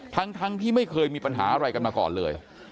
ทั้งที่ไม่เคยมีปัญหาอะไรกันมาก่อนเลย